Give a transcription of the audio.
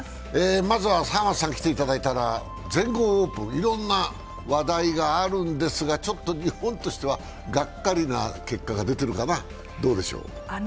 まずは沢松さんが来ていただいたら全豪オープン、いろいろな話題があるんですが、ちょっと日本としてはがっかりな結果が出てるかな、どうでしょう。